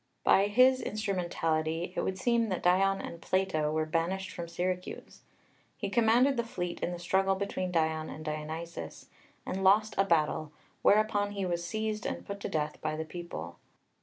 By his instrumentality it would seem that Dion and Plato were banished from Syracuse. He commanded the fleet in the struggle between Dion and Dionysius, and lost a battle, whereupon he was seized and put to death by the people.